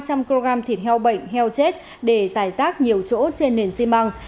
cơ sở này đang mua bán thịt heo bẩy heo chết để giải rác nhiều chỗ trên nền di măng